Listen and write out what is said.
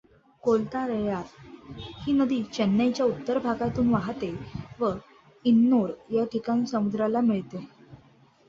कोर्तालयार ही नदी चेन्नईच्या उत्तर भागातून वाहाते व एन्नोर या ठिकाणी समुद्राला मिळते.